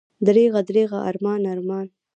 دریغه، دریغه، ارمان، ارمان!